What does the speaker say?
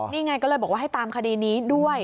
นี่ไงก็เลยบอกว่าให้ตามคดีนี้ด้วย